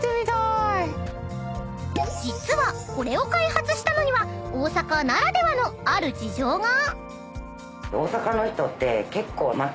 ［実はこれを開発したのには大阪ならではのある事情が］